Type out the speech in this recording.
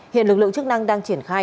hiện lực lượng chức năng đang triển khai